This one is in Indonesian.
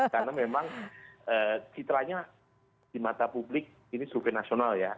karena memang citranya di mata publik ini survei nasional ya